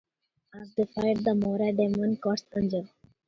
As they fight, the Mohra demon cuts Angel.